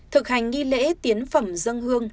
thực hành nghi lễ tiến phẩm dâng hương